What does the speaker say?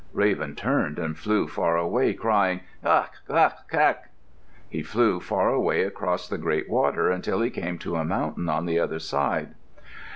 Raven turned and flew far away crying, "Qaq! qaq! qaq!" He flew far away across the great water until he came to a mountain on the other side.